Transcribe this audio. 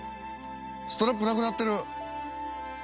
ストラップなくなってる。